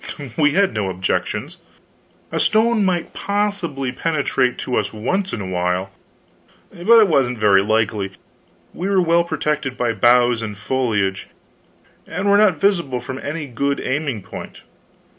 We had no objections. A stone might possibly penetrate to us once in a while, but it wasn't very likely; we were well protected by boughs and foliage, and were not visible from any good aiming point.